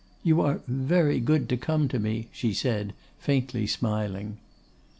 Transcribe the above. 'You are very good to come to me,' she said, faintly smiling.